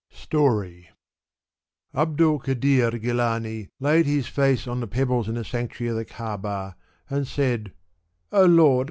Story. Abdu'l Kadir Gilani^ laid his &ce on the pebbles in the sanctuary of the Kaba, and said, " O Lord